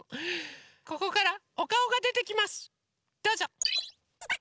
ここからおかおがでてきますどうぞ！